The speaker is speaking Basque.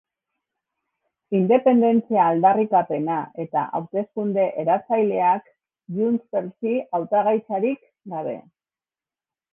Independentzia aldarrikapena eta hauteskunde eratzaileak JxSí hautagaitzarik gabe.